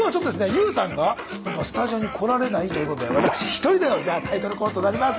ＹＯＵさんがスタジオに来られないということで私一人でのじゃあタイトルコールとなります。